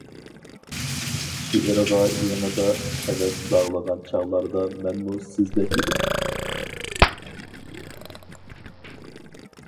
شېئىرغا يېڭىدا ھەۋەس باغلىغان چاغلاردا مەنمۇ سىزدەك ئىدىم.